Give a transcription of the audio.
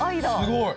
すごい。